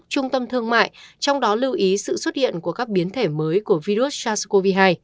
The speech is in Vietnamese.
trung tâm thương mại trong đó lưu ý sự xuất hiện của các biến thể mới của virus sars cov hai